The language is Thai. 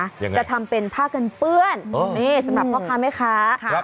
ยังไงจะทำเป็นผ้ากันเปื้อนนี่สำหรับพ่อค้าแม่ค้าครับ